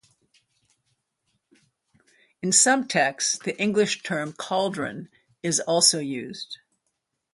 In some texts the English term "cauldron" is also used.